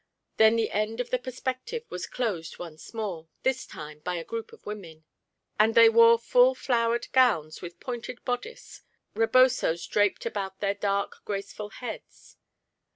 Then the end of the perspective was closed once more, this time by a group of women. And they wore full flowered gowns with pointed bodice, rebosos draped about their dark graceful heads.